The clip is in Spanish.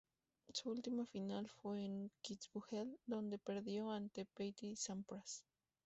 Su última final fue en Kitzbühel, donde perdió ante Pete Sampras.